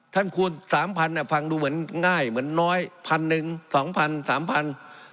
ท่านคูณ๓๐๐๐น่ะฟังดูเหมือนง่ายเหมือนน้อย๑๐๐๐๒๐๐๐๓๐๐๐